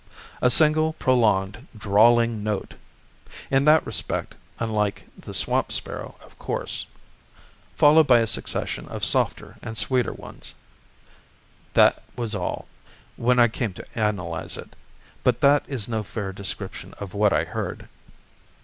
A single prolonged, drawling note (in that respect unlike the swamp sparrow, of course), followed by a succession of softer and sweeter ones, that was all, when I came to analyze it; but that is no fair description of what I heard.